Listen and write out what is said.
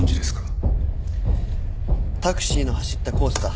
タクシーの走ったコースだ。